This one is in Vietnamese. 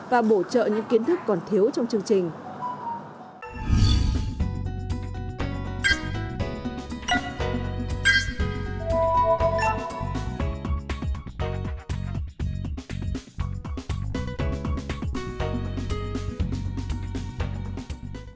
và bổ trợ những kiến thức còn thiếu trong chương trình